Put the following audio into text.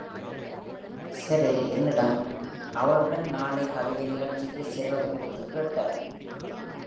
Cheryl என்னிடம், அவளுடன் நாளை கவிதை நிகழ்ச்சிக்கு செல்வது குறித்து கேட்டார்.